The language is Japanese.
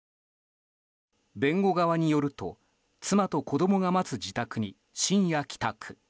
弁護側によると妻と子供が待つ自宅に深夜帰宅。